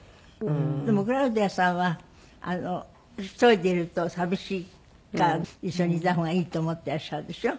でもクラウディアさんは１人でいると寂しいから一緒にいた方がいいと思っていらっしゃるでしょ？